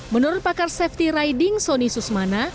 menurut pakar safety riding sony susmana